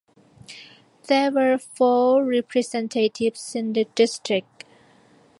There were four representatives in the district.